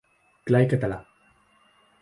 Clar i català.